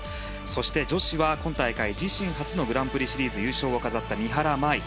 そして女子は今大会、自身初のグランプリシリーズ優勝を飾った三原舞依。